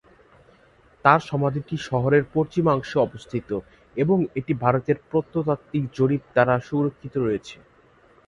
তার সমাধিটি শহরের পশ্চিমাংশে অবস্থিত এবং এটি ভারতের প্রত্নতাত্ত্বিক জরিপ দ্বারা সুরক্ষিত রয়েছে।